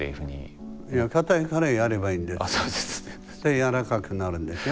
柔らかくなるんでしょ。